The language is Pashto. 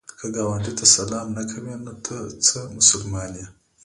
که ګاونډي ته سلام نه کوې، نو ته څه مسلمان یې؟